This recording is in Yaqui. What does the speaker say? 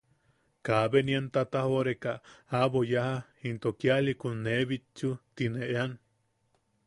Kabe nien tatajoʼoreka aʼabo yaja into kialikun ne bitchu tine eʼean.